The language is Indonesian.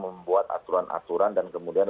membuat aturan aturan dan kemudian